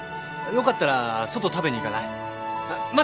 よかったら外食べに行かない？あっ。